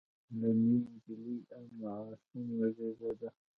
له دې نجلۍ ام عاصم وزېږېده.